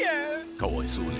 かわいそうに。